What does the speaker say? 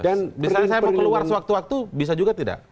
dan misalnya saya mau keluar sewaktu waktu bisa juga tidak